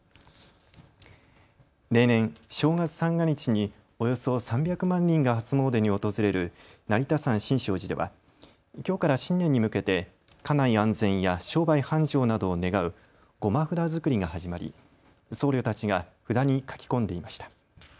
例年、正月三が日におよそ３００万人が初詣に訪れる成田山新勝寺ではきょうから新年に向けて家内安全や商売繁盛などを願う護摩札作りが始まり僧侶たちが札に書き込んでいました。